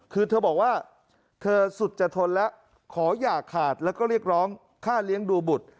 คือเธอบอกว่าเธอสุดจะทนแล้วขออย่าขาดแล้วก็เรียกร้องค่าเลี้ยงดูบุตร